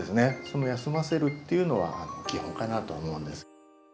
その休ませるっていうのは基本かなと思うんです。